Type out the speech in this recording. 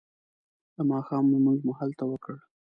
د ماښام لمونځ مو هلته وکړ.